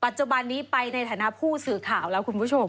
จุบันนี้ไปในฐานะผู้สื่อข่าวแล้วคุณผู้ชม